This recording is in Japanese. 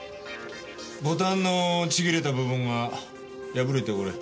ボタンのちぎれた部分が破れてほれ